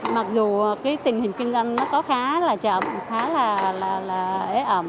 mặc dù cái tình hình kinh doanh nó có khá là chậm khá là ế ẩm